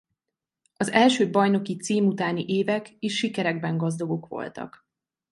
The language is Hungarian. Az első bajnoki cím utáni évek is sikerekben gazdagok voltak.